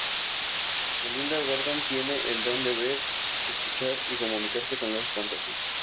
Melinda Gordon tiene el don de ver, escuchar y comunicarse con los fantasmas.